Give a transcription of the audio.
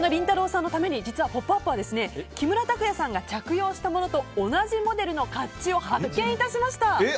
さんのために「ポップＵＰ！」は木村拓哉さんが着用したものと同じモデルの甲冑を発見いたしました。